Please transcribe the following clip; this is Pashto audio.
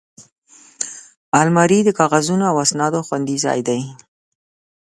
الماري د کاغذونو او اسنادو خوندي ځای دی